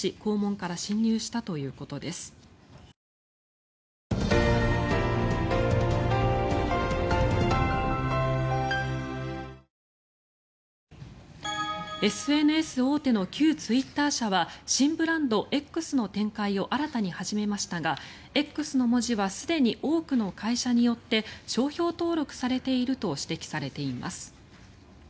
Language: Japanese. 午前１１時ごろ大阪府富田林市向陽台にあるＳＮＳ大手の旧ツイッター社は新ブランドＸの展開を新たに始めましたがＸの文字はすでに多くの会社によって商標登録されていると指摘されています。